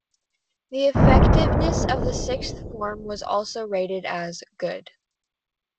The effectiveness of the sixth form was also rated as "Good".